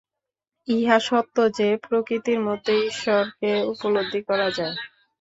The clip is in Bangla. ইহা সত্য যে, প্রকৃতির মধ্যে ঈশ্বরকে উপলব্ধি করা যায়।